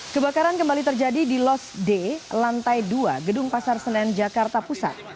kebakaran kembali terjadi di los d lantai dua gedung pasar senen jakarta pusat